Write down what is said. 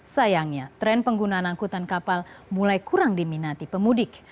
sayangnya tren penggunaan angkutan kapal mulai kurang diminati pemudik